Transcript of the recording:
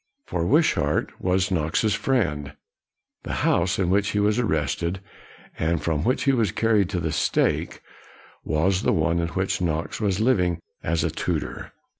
For Wishart was Knox's friend. The house in which he was arrested, and from which he was carried to the stake, was the one in which Knox was living as a tutor.